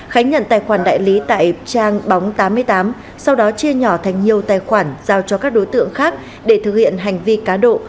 khánh nhận tài khoản đại lý tại trang bóng tám mươi tám sau đó chia nhỏ thành nhiều tài khoản giao cho các đối tượng khác để thực hiện hành vi cá độ